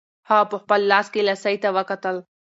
هغه په خپل لاس کې لسی ته وکتل.